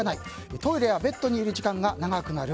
トイレやベッドにいる時間が長くなる。